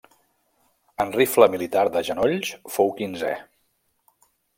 En rifle militar, de genolls fou quinzè.